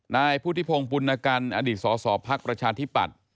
นายผู้ที่พงษ์ปุณณกันอดีตศศภักดิ์ประชาธิปัตย์